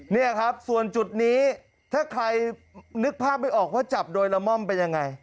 นี่ครับส่วนจุดนี้ถ้าใครนึกภาพไม่ออกว่าจับโดยละม่อมเป็นยังไง